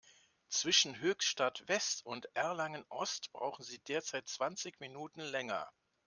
Zwischen Höchstadt-West und Erlangen-Ost brauchen Sie derzeit zwanzig Minuten länger.